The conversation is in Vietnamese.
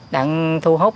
đang thu hút